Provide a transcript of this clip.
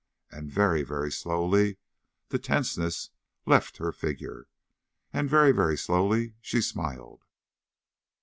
And very, very slowly the tenseness left her figure. And very, very slowly she smiled.